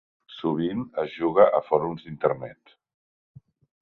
Sovint es juga a fòrums d'Internet.